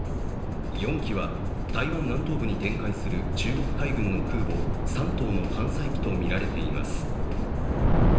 ４機は台湾南東部に展開する中国海軍の空母「山東」の艦載機とみられています。